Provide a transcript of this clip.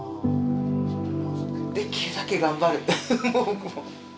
できるだけ頑張る僕も。